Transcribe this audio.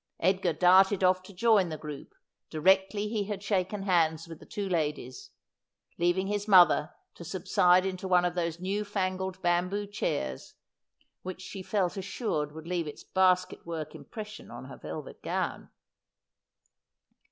Edgar darted oflE to join the group, directly he had shaken hands with the two ladies, leaving his mother to subside into one of those new fangled bamboo chairs which she felt assured would leave its basket work impression on her velvet gown.